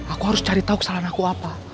aku harus cari tahu kesalahan aku apa